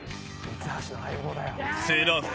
三橋の相棒だよ。